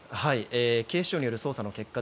警視庁による捜査の結果